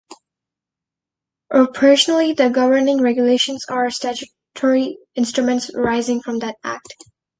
Operationally, the governing Regulations are statutory instruments arising from that Act.